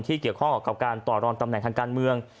เกี่ยวข้องกับการต่อรองตำแหน่งทางการเมือง